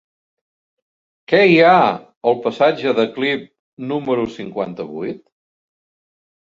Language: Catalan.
Què hi ha al passatge de Clip número cinquanta-vuit?